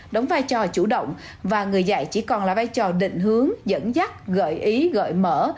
đóng vai trò chủ động và người dạy chỉ còn là vai trò định hướng dẫn dắt gợi ý gợi mở